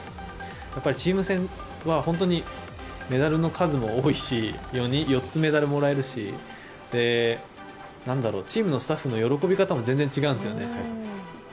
やっぱりチーム戦はメダルの数も多いし４つメダルもらえるしチームのスタッフの喜び方も全然違うんですよね。